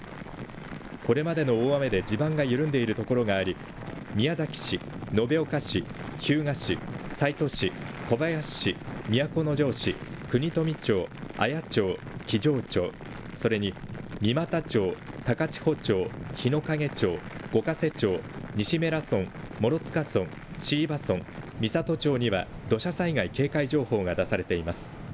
これまでの大雨で地盤が緩んでいるところがあり宮崎市、延岡市、日向市、西都市、小林市、都城市、国富町、綾町、木城町それに三股町、高千穂町日之影町、五ヶ瀬町、西米良村、諸塚村、椎葉村、美郷町には土砂災害警戒情報が出されています。